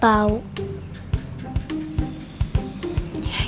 dia juga nggak tahu